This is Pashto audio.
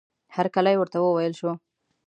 هرکلی ورته وویل شو.